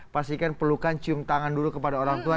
pastikan pelukan cium tangan dulu kepada orang tua